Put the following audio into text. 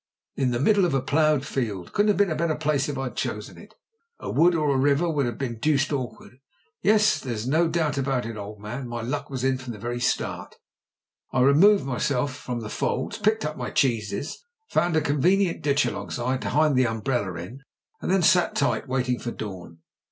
"In the middle of a ploughed field. Couldn't have been a better place if I'd chosen it. A wood or a river would have been deuced awkward. Yes, there's no dcHibt about it, old man, my luck was in from the very start. I removed myself from the folds, picked up my cheeses, found a convenient ditch alongside to hide the umbrella in, and then sat tight waiting for dawn.